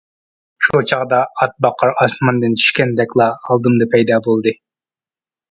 شۇ چاغدا ئات باقار ئاسماندىن چۈشكەندەكلا ئالدىمدا پەيدا بولدى.